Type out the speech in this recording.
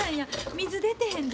水出てへんで。